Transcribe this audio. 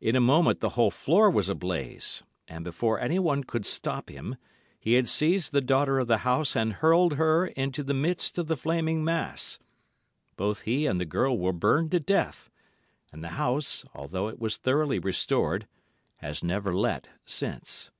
"In a moment the whole floor was ablaze; and before anyone could stop him, he had seized the daughter of the house and hurled her into the midst of the flaming mass. Both he and the girl were burned to death, and the house, although it was thoroughly restored, has never let since."